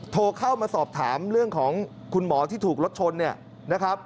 โทรเข้ามาสอบถามเรื่องของคุณหมอที่ถูกรถชน